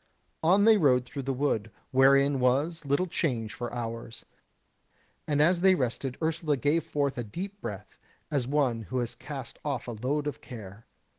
On they rode through the wood, wherein was little change for hours; and as they rested Ursula gave forth a deep breath, as one who has cast off a load of care.